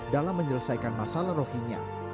dalam menyelesaikan masalah rohinya